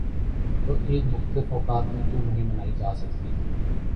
تو عید مختلف اوقات میں کیوں نہیں منائی جا سکتی؟